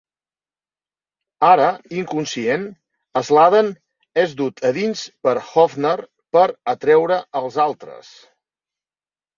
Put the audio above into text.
Ara inconscient, Sladen és dut a dins per Hofner per atraure als altres.